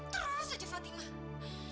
terus aja fatimah